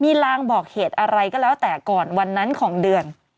มีลางบอกเหตุอะไรก็แล้วแต่ก่อนวันนั้นของเดือน